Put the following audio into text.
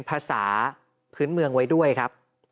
ภาษาพื้นเมืองไว้ด้วยครับ